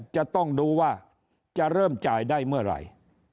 จะต้องดูว่าจะเริ่มจ่ายได้เมื่อไหร่